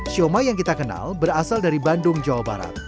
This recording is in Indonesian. sioma yang kita kenal berasal dari bandung jawa barat